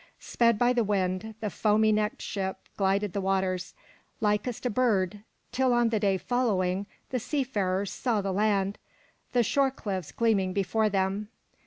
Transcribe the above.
Sped by the wind, the foamy necked ship glided the waters, likest a bird, till on the day following, the sea farers saw the land, the shore cliffs gleaming before them.